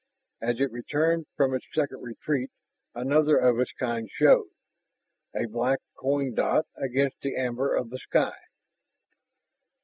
As it returned from its second retreat, another of its kind showed, a black coin dot against the amber of the sky.